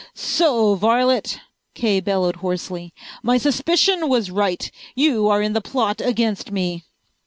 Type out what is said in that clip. "So, varlet!" Kay bellowed hoarsely. "My suspicion was right. You are in the plot against me!"